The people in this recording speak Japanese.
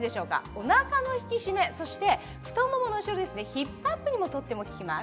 おなかの引き締め太ももの後ろヒップアップにもとても効きます。